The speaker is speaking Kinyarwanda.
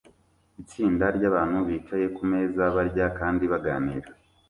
Itsinda ryabantu bicaye kumeza barya kandi baganira